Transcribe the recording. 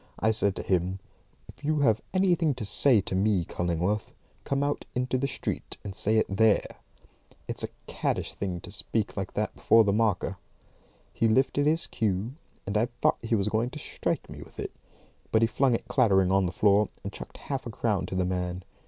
I said to him, "If you have anything to say to me, Cullingworth, come out into the street and say it there. It's a caddish thing to speak like that before the marker." He lifted his cue, and I thought he was going to strike me with it; but he flung it clattering on the floor, and chucked half a crown to the man.